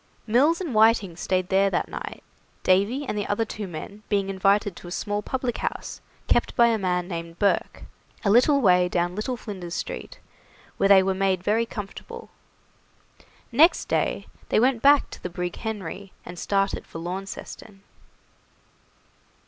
Mills and Whiting stayed there that night, Davy and the other two men being invited to a small public house kept by a man named Burke, a little way down Little Flinders Street, where they were made very comfortable. Next day they went back to the brig 'Henry', and started for Launceston.